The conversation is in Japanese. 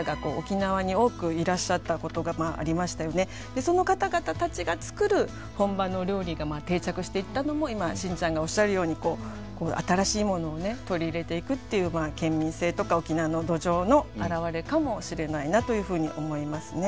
でその方々たちが作る本場の料理が定着していったのも今信ちゃんがおっしゃるように新しいものを取り入れていくっていう県民性とか沖縄の土壌の表れかもしれないなというふうに思いますね。